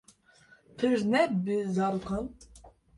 Pir ne bi zarokan